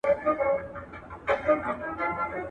بوچ د اختري خلاص دئ.